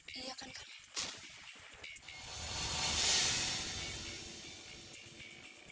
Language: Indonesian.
iya kan karla